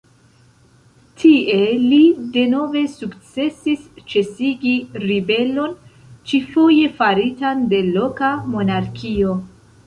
Tie li denove sukcesis ĉesigi ribelon, ĉifoje faritan de loka monarkio.